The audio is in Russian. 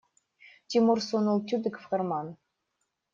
Тимур сунул тюбик в карман.